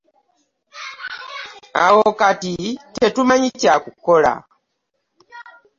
Awo kati tetumanyi kya kukola.